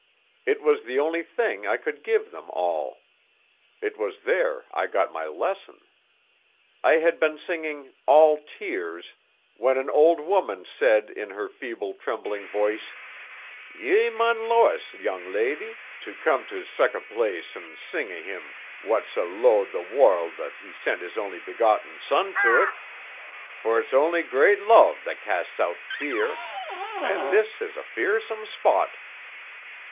It was the only thing I could give them all. It was there I got my lesson. I had been singing 'All Tears,' when an old woman said in her feeble, trembling voice, 'Ye mun loe us, young leddy, to come to sic a place an' sing o' Him wha sa loed the warld that He sent His only begotten Son ta it, for it's only great loe that casts out fear, and this is a fearsome spot.'